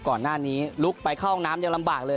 ก่อนหน้านี้ลุกไปเข้าห้องน้ำยังลำบากเลย